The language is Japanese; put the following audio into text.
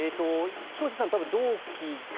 広瀬さん、同期が。